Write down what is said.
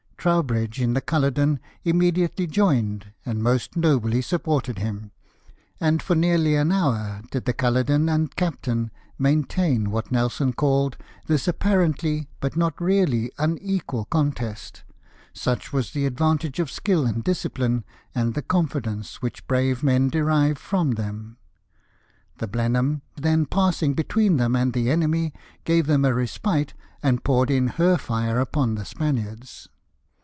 Trowbridge, in the Ctdloden, immediately joined, and most nobly supported him ; and for nearly an hour did the Culloden and Captain maintain what Nelson called "this apparently but not really unequal con test "— such was the advantage of skill and discipline and the confidence which brave men derive from them. The Blenheim then passing between them and the enemy, gave them a respite, and poured in her fire upon the Spaniards.